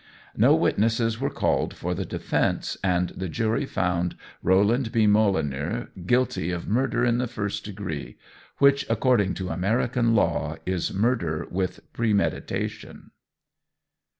No witnesses were called for the defence, and the jury found Roland B. Molineux guilty of "murder in the first degree," which, according to American law, is murder with premeditation.